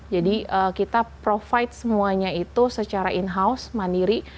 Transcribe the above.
jadi kita provide semuanya itu secara in house mandiri